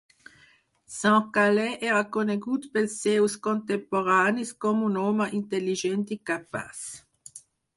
St-Calais era conegut pels seus contemporanis com un home intel.ligent i capaç.